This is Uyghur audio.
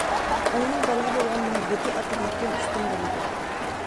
ئانىنىڭ بالىغا بولغان مۇھەببىتى ئاتىنىڭكىدىن ئۈستۈن بولىدۇ.